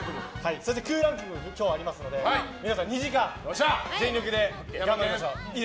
そして空欄キングもありますので皆さん、２時間全力で頑張りましょう！